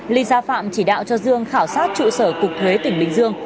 lisa phạm chỉ đạo cho dương khảo sát trụ sở cục thuế tỉnh bình dương